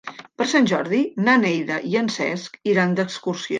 Per Sant Jordi na Neida i en Cesc iran d'excursió.